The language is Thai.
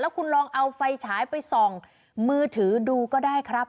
คุณลองเอาไฟฉายไปส่องมือถือดูก็ได้ครับ